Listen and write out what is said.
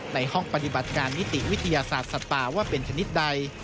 ในห้องปฏิบัติการนิติวิทยาศาสตร์สัตว์ป่าว่าเป็นชนิดใด